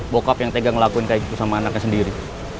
bokap yang tega ngelakuin kayak gitu sama anaknya sendiri